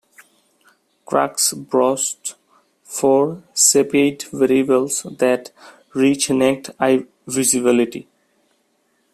Crux boasts four Cepheid variables that reach naked eye visibility.